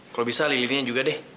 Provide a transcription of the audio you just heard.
kalau bisa lilinya juga deh